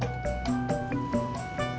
emangnya ada jok